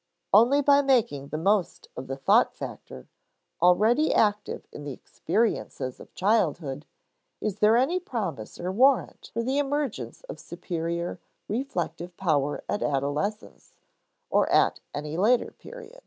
Only by making the most of the thought factor, already active in the experiences of childhood, is there any promise or warrant for the emergence of superior reflective power at adolescence, or at any later period.